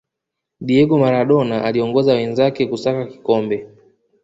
diego maradona aliongoza wenzake kusaka kikombe